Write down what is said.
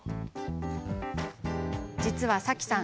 実は、さきさん